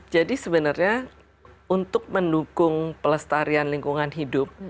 jadi sebenarnya untuk mendukung pelestarian lingkungan hidup